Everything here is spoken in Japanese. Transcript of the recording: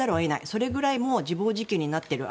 それぐらい自暴自棄になっている。